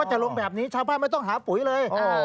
จะลงแบบนี้ชาวบ้านไม่ต้องหาปุ๋ยเลย